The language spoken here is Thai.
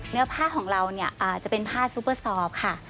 เนื้อผ้าของเราเนี่ยจะเป็นผ้าซุปเปอร์ซอฟค่ะ